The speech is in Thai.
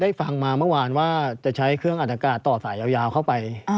ฟังมาเมื่อวานว่าจะใช้เครื่องอัดอากาศต่อสายยาวเข้าไป